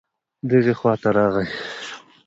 دغې خوا نه راغی